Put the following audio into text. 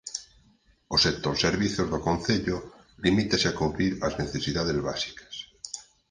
O sector servizos do concello limítase a cubrir as necesidades básicas.